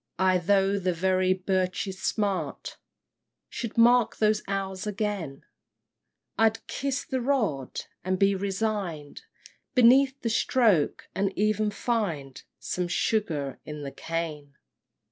Ay, though the very birch's smart Should mark those hours again; I'd "kiss the rod," and be resign'd Beneath the stroke, and even find Some sugar in the cane!